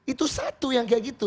itu satu yang kayak gitu